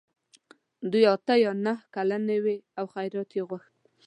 دوی اته یا نهه کلنې وې او خیرات یې غوښت.